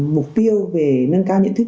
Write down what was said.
mục tiêu về nâng cao nhận thức